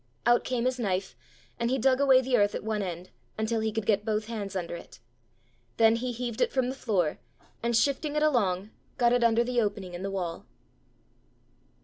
Out came his knife, and he dug away the earth at one end, until he could get both hands under it. Then he heaved it from the floor, and shifting it along, got it under the opening in the wall.